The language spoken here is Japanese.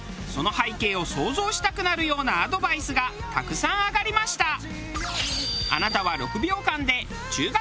その背景を想像したくなるようなアドバイスがたくさん挙がりました。